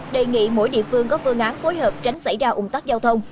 đề nghị mỗi địa phương có phương án phối hợp tránh xảy ra ủng tắc giao thông